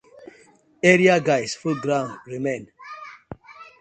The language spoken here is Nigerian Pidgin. Area guyz full ground remain.